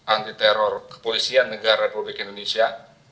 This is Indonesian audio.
anti teror kepolisian negara republik indonesia